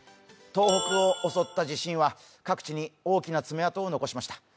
東北を襲った地震は各地に大きな爪痕を残しました。